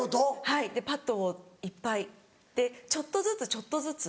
はいパッドをいっぱいでちょっとずつちょっとずつ。